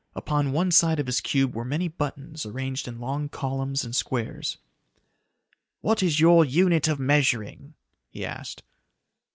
Upon one side of his cube were many buttons arranged in long columns and squares. "What is your unit of measuring?" he asked.